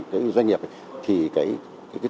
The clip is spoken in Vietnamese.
cái doanh nghiệp thì cái